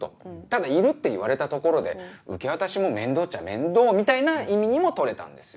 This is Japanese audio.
ただ「いる」って言われたところで受け渡しも面倒っちゃ面倒みたいな意味にも取れたんです。